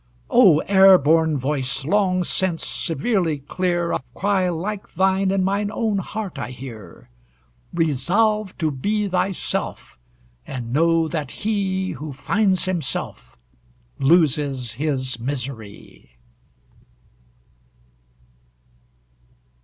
O air born voice! long since, severely clear, A cry like thine in mine own heart I hear: "Resolve to be thyself; and know that he Who finds himself, loses his misery!"